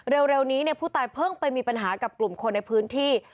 เร็วนี้ผู้ตายเพิ่งไปมีปัญหากับกลุ่มคนในพื้นที่